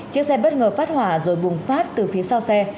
chiếc xe bất ngờ phát hỏa rồi bùng phát từ phía sau xe